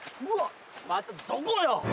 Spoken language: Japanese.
またどこよ！